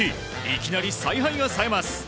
いきなり采配がさえます。